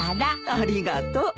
ありがとう。